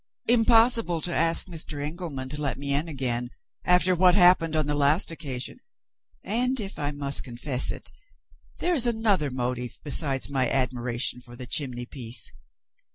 "Impossible to ask Mr. Engelman to let me in again, after what happened on the last occasion. And, if I must confess it, there is another motive besides my admiration for the chimney piece.